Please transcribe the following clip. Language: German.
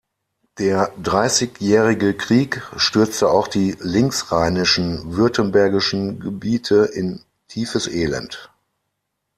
Der Dreißigjährige Krieg stürzte auch die linksrheinischen württembergischen Gebiete in tiefes Elend.